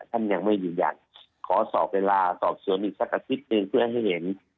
ท่านยังไม่ยืนยันขอสอบเวลาสอบสวนอีกสักอาทิตย์หนึ่งเพื่อให้เห็น